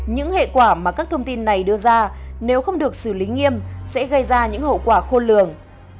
những hệ quả mà các thông tin này đưa ra nếu không được xử lý nghiêm sẽ gây ra những hậu quả khôn lường